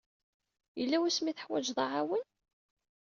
Yella wasmi ay teḥwajeḍ aɛawen?